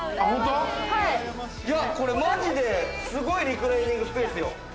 これマジで、すごいリクライニングスペースよ。